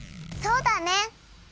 そうだね！